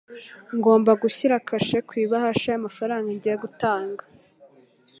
Ngomba gushyira kashe ku ibahasha y’amafaranga ngiye gutanga.